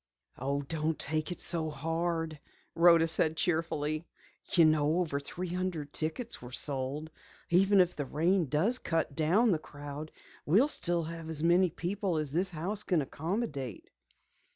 "Oh, don't take it so hard," Rhoda said cheerfully. "You know over three hundred tickets were sold. Even if the rain does cut down the crowd we'll still have as many people as this house can accommodate."